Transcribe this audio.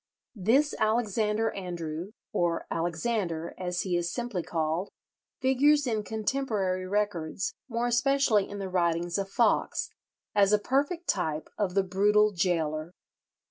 This Alexander Andrew or Alexander, as he is simply called, figures in contemporary records, more especially in the writings of Foxe, as a perfect type of the brutal gaoler.